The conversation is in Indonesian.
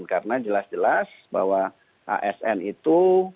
karena jelas jelas bahwa asn itu